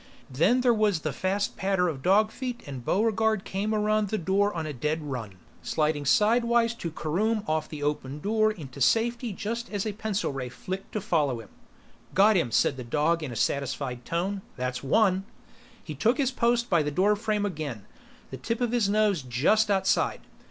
Then there was the fast patter of dog feet and Buregarde came around the door on a dead run, sliding side wise to carom off the opened door into safety just as a pencil ray flicked to follow him. "Got him," said the dog in a satisfied tone. "That's one!" He took his post by the doorframe again, the tip of his nose just outside.